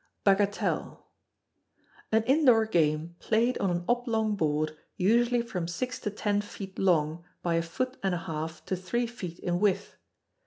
Bagatelle. An indoor game played on an oblong board usually from six to ten feet long by a foot and a half to three feet in width.